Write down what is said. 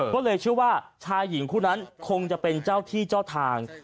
ก็เลยเชื่อว่าชายหญิงคู่นั้นคงจะเป็นเจ้าที่เจ้าทาง